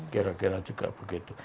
kira kira juga begitu